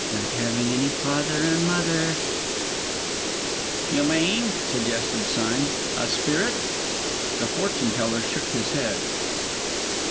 not having any father and mother " "You mean," suggested Sime, "a spirit?" The fortune teller shook his head.